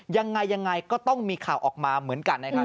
ยังไงก็ต้องมีข่าวออกมาเหมือนกัน